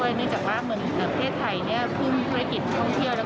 เพราะฉะนั้นการที่เปิดประเทศแป้งว่ามันก็มีผลสองด้านนะคะ